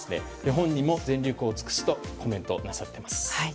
本人も全力を尽くすとコメントなさっています。